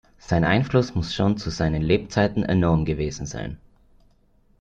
Sein Einfluss muss schon zu seinen Lebzeiten enorm gewesen sein.